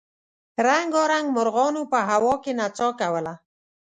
رنګارنګ مرغانو په هوا کې نڅا کوله.